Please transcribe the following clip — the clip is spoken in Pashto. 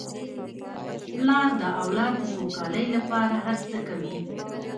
پلار د اولاد د سوکالۍ لپاره هر څه کوي.